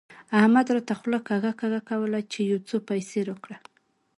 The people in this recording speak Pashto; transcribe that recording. احمد راته خوله کږه کږه کوله چې يو څو پيسې راکړه.